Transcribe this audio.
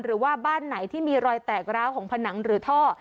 หรือว่าบ้านไหนที่มีรอยแตกร้าวของผนังหรือท่อ